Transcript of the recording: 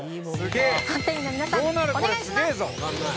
判定員の皆さんお願いします。